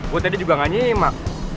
gue tadi juga gak nyimak